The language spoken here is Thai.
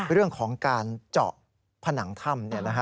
เรื่องของการเจาะผนังถ้ำ